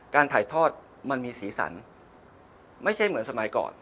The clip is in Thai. การถ่ายทอดมันมีสีสันไม่ใช่เหมือนสมัยก่อน